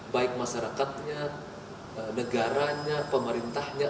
baik masyarakatnya negaranya pemerintahnya